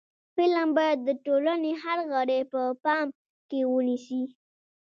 فلم باید د ټولنې هر غړی په پام کې ونیسي